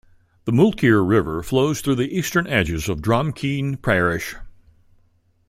The Mulkear River flows through the eastern edges of Dromkeen parish.